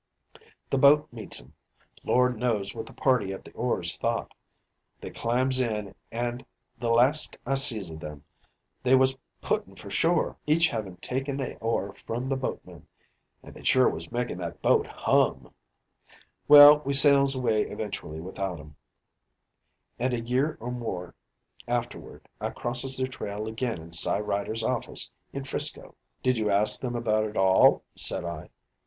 The boat meets 'em Lord knows what the party at the oars thought they climbs in an' the last I sees of 'em they was puttin' for shore each havin' taken a oar from the boatman, an' they sure was makin' that boat hum. "Well, we sails away eventually without 'em; an' a year or more afterward I crosses their trail again in Cy Ryder's office in 'Frisco." "Did you ask them about it all?" said I.